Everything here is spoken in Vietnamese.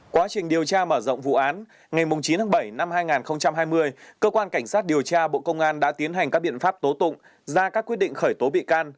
quá trình điều tra mở rộng vụ án ngày chín tháng bảy năm hai nghìn hai mươi cơ quan cảnh sát điều tra bộ công an đã tiến hành các biện pháp tố tụng ra các quyết định khởi tố bị can